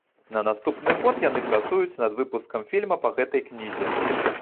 На наступны год яны працуюць над выпускам фільма па гэтай кнізе.